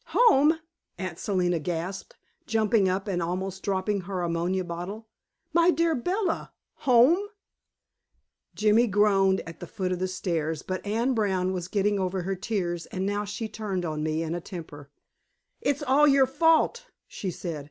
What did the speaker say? "Home!" Aunt Selina gasped, jumping up and almost dropping her ammonia bottle. "My dear Bella! Home?" Jimmy groaned at the foot of the stairs, but Anne Brown was getting over her tears and now she turned on me in a temper. "It's all your fault," she said.